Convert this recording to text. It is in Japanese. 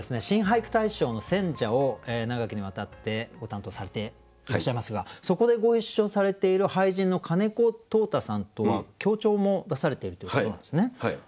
新俳句大賞の選者を長きにわたってご担当されていらっしゃいますがそこでご一緒されている俳人の金子兜太さんとは共著も出されているということなんですね。